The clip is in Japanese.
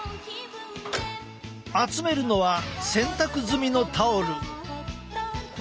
集めるのは洗濯済みのタオル。